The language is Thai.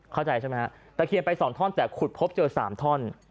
เข้าใจใช่ไหมฮะตะเคียนไป๒ท่อนแต่ขุดพบเจอ๓ท่อน